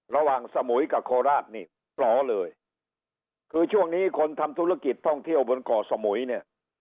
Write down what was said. สมุยกับโคราชนี่ปลอเลยคือช่วงนี้คนทำธุรกิจท่องเที่ยวบนเกาะสมุยเนี่ย